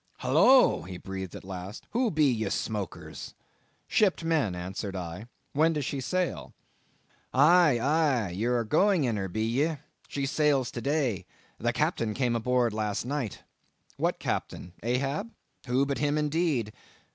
"Holloa!" he breathed at last, "who be ye smokers?" "Shipped men," answered I, "when does she sail?" "Aye, aye, ye are going in her, be ye? She sails to day. The Captain came aboard last night." "What Captain?—Ahab?" "Who but him indeed?"